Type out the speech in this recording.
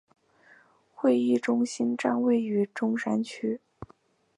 会议中心站位于中山区。